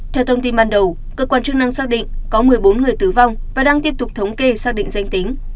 theo thông tin ban đầu cơ quan chức năng xác định có một mươi bốn người tử vong và đang tiếp tục thống kê xác định danh tính